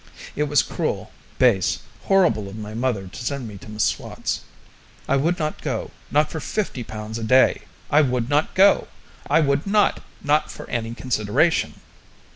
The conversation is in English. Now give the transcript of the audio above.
It was cruel, base, horrible of my mother to send me to M'Swat's. I would not go not for 50 pounds a day! I would not go! I would not! not for any consideration.